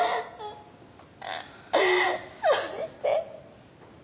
どうして？